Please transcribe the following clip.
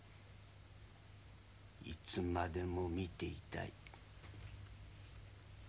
いつまでも見ていたい。